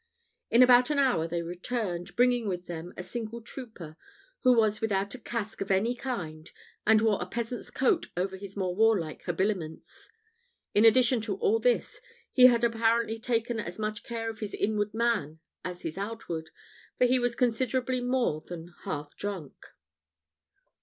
In about an hour they returned, bringing with them a single trooper, who was without a casque of any kind, and wore a peasant's coat over his more warlike habiliments. In addition to all this, he had apparently taken as much care of his inward man as of his outward, for he was considerably more than half drunk.